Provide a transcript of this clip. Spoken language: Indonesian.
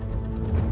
nanti aku akan datang